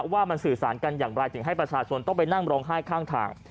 ว่ามันสื่อสารกันอย่างไรถึงให้ประชาชนต้องไปนั่งร้องไห้ข้างทาง